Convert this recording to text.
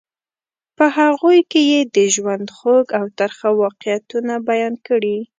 په هغوی کې یې د ژوند خوږ او ترخه واقعیتونه بیان کړي.